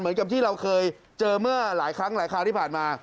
เหมือนกับที่เราเคยเจอเมื่อหลายครั้งหลายคราวที่ผ่านมา